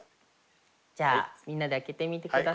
じゃあみんなで開けてみてください。